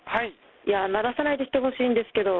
鳴らさないで来てほしいんですけど。